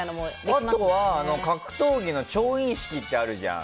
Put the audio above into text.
あと格闘技の調印式ってあるじゃない。